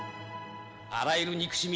あらゆる憎しみ